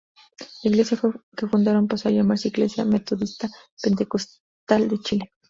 La iglesia que fundaron pasó a llamarse Iglesia metodista pentecostal de Chile.